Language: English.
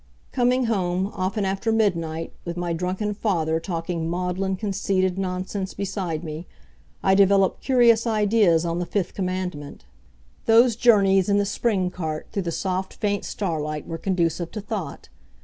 Coming home, often after midnight, with my drunken father talking maudlin conceited nonsense beside me, I developed curious ideas on the fifth commandment. Those journeys in the spring cart through the soft faint starlight were conducive to thought.